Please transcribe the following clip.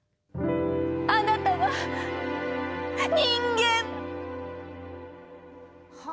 あなたは人間！